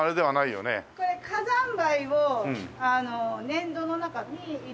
これ火山灰を粘土の中に入れて。